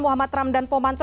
muhammad ramdan pomanto